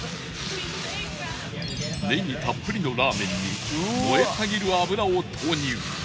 ネギたっぷりのラーメンに燃えたぎる油を投入